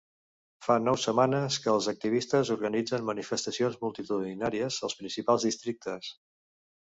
Fa nou setmanes que els activistes organitzen manifestacions multitudinàries als principals districtes.